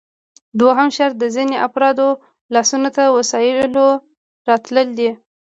دوهم شرط د ځینو افرادو لاسونو ته د وسایلو راتلل دي